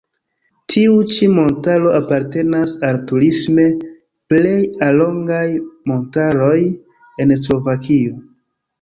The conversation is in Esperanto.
Tiu ĉi montaro apartenas al turisme plej allogaj montaroj en Slovakio.